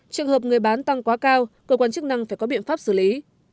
trường hợp người bán tăng quá cao cơ quan chức năng phải có biện pháp xử lý